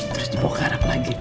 terus bongkaran lagi